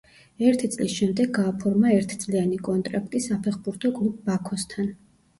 ერთი წლის შემდეგ გააფორმა ერთწლიანი კონტრაქტი საფეხბურთო კლუბ „ბაქოსთან“.